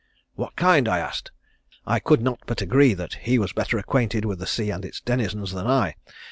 'What kind?' I asked. I could not but agree that he was better acquainted with the sea and its denizens than I.